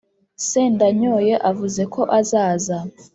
Sendanyoye avuze ko azaza